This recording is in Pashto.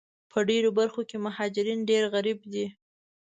په ډېرو برخو کې مهاجرین ډېر غریب دي